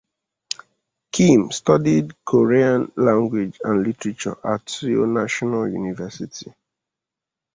Kim studied Korean Language and Literature at Seoul National University.